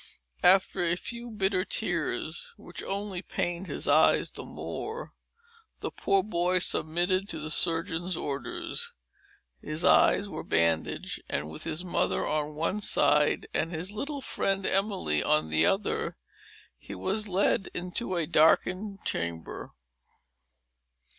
After a few bitter tears, which only pained his eyes the more, the poor boy submitted to the surgeon's orders. His eyes were bandaged, and, with his mother on one side, and his little friend Emily on the other, he was led into a darkened chamber.